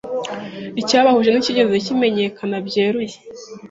Icyabahuje nticyigeze kimenyekana byeruye,